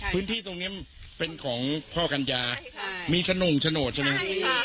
พื้นที่ตรงนี้เป็นของพ่อกัญญาใช่มีที่ชนุ่งนี่